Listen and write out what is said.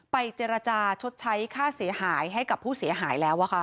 เจรจาชดใช้ค่าเสียหายให้กับผู้เสียหายแล้ว